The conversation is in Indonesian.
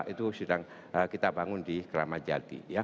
itu sedang kita bangun di keramat jati